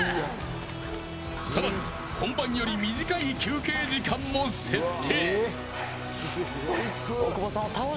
さらに本番より短い休憩時間も設定。